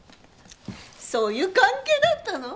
そういう関係だったの？